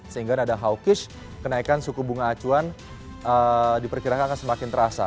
sehingga nada hawkish kenaikan suku bunga acuan diperkirakan akan semakin terasa